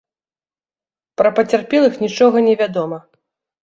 Пра пацярпелых нічога не вядома.